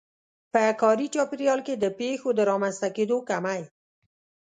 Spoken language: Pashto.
په کاري چاپېريال کې د پېښو د رامنځته کېدو کمی.